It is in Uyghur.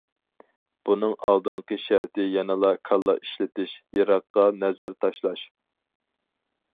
بۇنىڭ ئالدىنقى شەرتى يەنىلا كاللا ئىشلىتىش، يىراققا نەزەر تاشلاش.